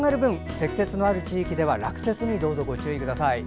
積雪のある地域では落雪にどうぞご注意ください。